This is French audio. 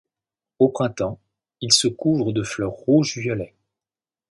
Au printemps, il se couvre de fleurs rouge violet.